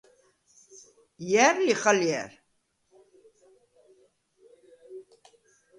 ჲა̈რ ლიხ ალჲა̈რ?